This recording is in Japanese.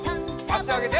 あしあげて。